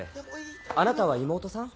あなたは妹さん？